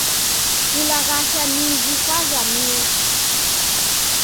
Kulaghasha mizi kwazamie.